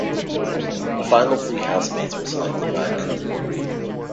The final three housemates were selected via Kumu.